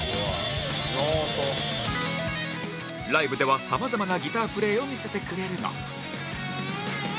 ライブではさまざまなギタープレイを見せてくれるが